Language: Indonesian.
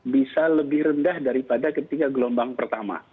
bisa lebih rendah daripada ketika gelombang pertama